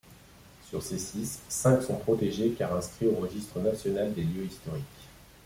Sur ces six, cinq sont protégés car inscrit au Registre national des lieux historiques.